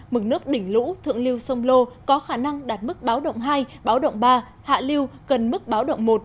mực nước đỉnh lũ thượng lưu sông lô có khả năng đạt mức báo động hai báo động ba hạ lưu gần mức báo động một